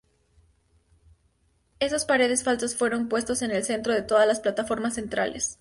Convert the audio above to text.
Esos paredes falsas fueron puestos en el centro de todas las plataformas centrales.